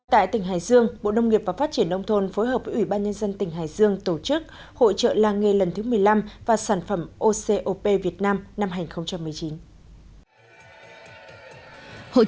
tại tỉnh hải dương bộ nông nghiệp và phát triển nông thôn phối hợp với ủy ban nhân dân tỉnh hải dương tổ chức